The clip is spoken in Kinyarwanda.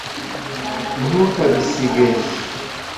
ntukabisige